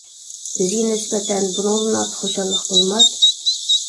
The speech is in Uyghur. بىزگە نىسبەتەن بۇنىڭدىن ئارتۇق خۇشاللىق بولماس.